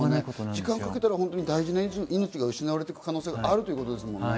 時間をかけたら大事な命が失われる可能性があるということですもんね。